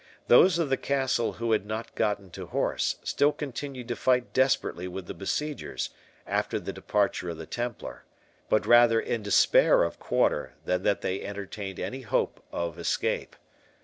Those of the castle who had not gotten to horse, still continued to fight desperately with the besiegers, after the departure of the Templar, but rather in despair of quarter than that they entertained any hope of escape.